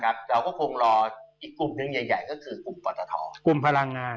แล้วเราก็คงรออีกกลุ่มหนึ่งใหญ่ก็คือกลุ่มพลังงาน